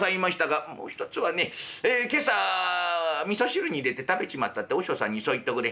「もう一つはねえ今朝みそ汁に入れて食べちまったって和尚さんにそう言っとくれ」。